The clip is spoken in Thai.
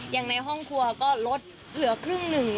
ในห้องครัวก็ลดเหลือครึ่งหนึ่ง